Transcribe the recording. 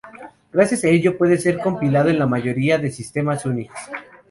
Gracias a ello puede ser compilado en la mayoría de sistemas Unix.